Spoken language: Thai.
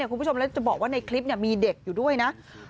คุณผู้ชมแล้วจะบอกว่าในคลิปมีเด็กอยู่ด้วยนะ